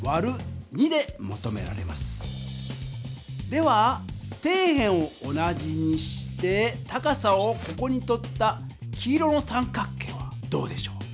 では底辺を同じにして高さをここにとった黄色の三角形はどうでしょう？